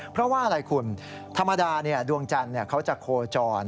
เพราะว่าอะไรคุณธรรมดาดวงจันทร์เขาจะโคจร